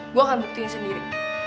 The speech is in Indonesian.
gue akan buktiin sendiri